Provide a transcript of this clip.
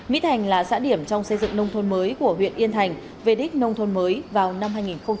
mỹ thành là xã điểm trong xây dựng nông thôn mới của huyện yên thành về đích nông thôn mới vào năm hai nghìn một mươi năm